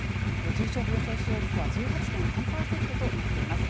重症病床使用率は１８．３％となっています。